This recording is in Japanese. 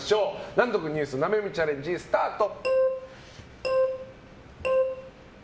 難読ニュース生読みチャレンジスタート！